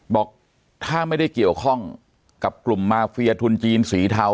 บอกถ้าไม่ได้เกี่ยวข้องกับกลุ่มมาเฟียทุนจีนสีเทา